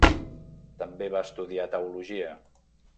També va estudiar teologia.